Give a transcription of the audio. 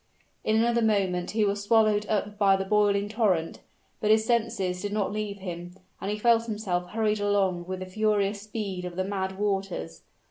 In another moment he was swallowed up by the boiling torrent; but his senses did not leave him, and he felt himself hurried along with the furious speed of the mad waters.